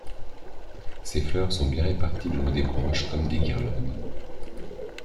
Ses fleurs sont bien réparties le long des branches comme des guirlandes.